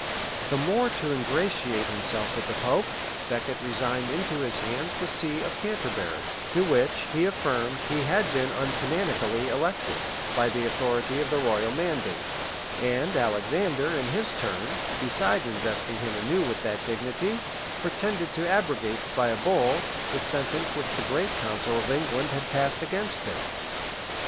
{1165.} The more to ingratiate himself with the pope, Becket resigned into his hands the see of Canterbury, to which, he affirmed, he had been uncanonically elected, by the authority of the royal mandate; and Alexander, in his turn, besides investing him anew with that dignity, pretended to abrogate by a bull, the sentence which the great council of England had passed against him.